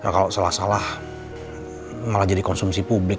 kalau salah salah malah jadi konsumsi publik